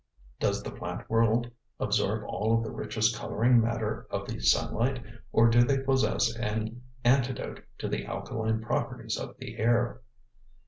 Does the plant world absorb all of the richest coloring matter of the sunlight, or do they possess an antidote to the alkaline properties of the air?